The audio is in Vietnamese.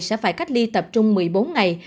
sẽ phải cách ly tập trung một mươi bốn ngày